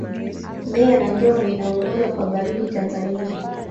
mbeya na njombe inaongoza kwa baridi tanzania